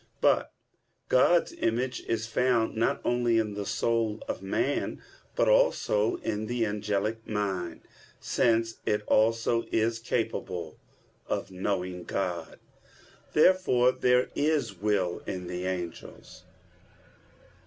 But God's image is found not only in the soul of man, but also in the angelic mind, since it also is capable of knowing God. Therefore there is will in the angels.